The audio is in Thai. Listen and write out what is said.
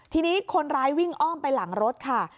ทีนี้คนร้ายวิ่งอ้อมไปหลังรถค่ะ